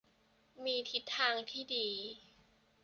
มีทิศทางที่ดี